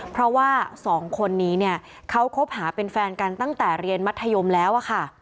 เพราะว่าสองคนนี้เนี่ยเขาคบหาเป็นแฟนกันตั้งแต่เรียนมัธยมแล้วอะค่ะ